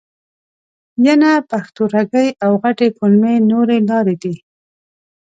ینه، پښتورګي او غټې کولمې نورې لارې دي.